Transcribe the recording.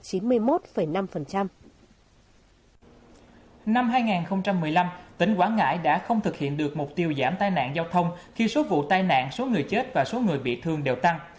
năm hai nghìn một mươi năm tỉnh quảng ngãi đã không thực hiện được mục tiêu giảm tai nạn giao thông khi số vụ tai nạn số người chết và số người bị thương đều tăng